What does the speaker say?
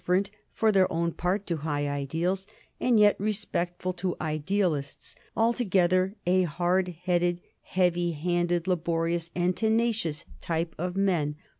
16 NORMANS IN EUROPEAN HISTORY for their own part to high ideals, and yet respectful to idealists; altogether a hard headed, heavy handed, la borious and tenacious type of men."